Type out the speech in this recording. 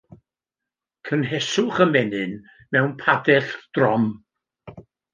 Cynheswch y menyn mewn padell drom.